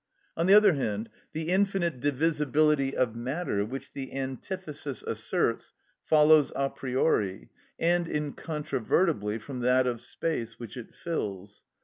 On the other hand, the infinite divisibility of matter, which the antithesis asserts, follows a priori and incontrovertibly from that of space, which it fills.